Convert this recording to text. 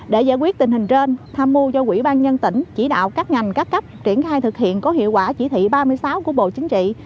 để giải quyết tình hình trên tham mưu cho quỹ ban nhân tỉnh chỉ đạo các ngành các cấp triển khai thực hiện có hiệu quả chỉ thị ba mươi sáu của bộ chính trị